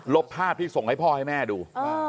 บภาพที่ส่งให้พ่อให้แม่ดู